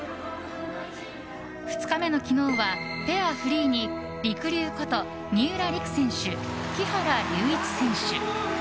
２日目の昨日はペアフリーにりくりゅうこと三浦璃来選手、木原龍一選手